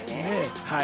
◆はい。